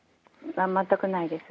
全くないです。